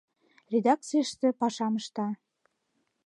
Редакцийыште пашам ышта.